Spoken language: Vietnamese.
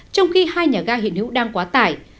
trong khi hai nhà ga hiện hữu đang quá tải